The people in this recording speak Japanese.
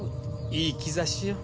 いい兆しよ。